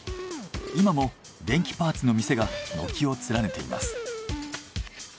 今も電気パーツの店が軒を連ねています。